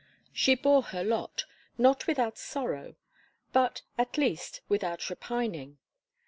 She bore her lot not without sorrow; but, at least, without repining.